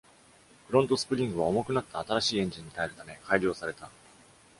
フロントスプリングは重くなった新しいエンジンに耐えるため、改良された。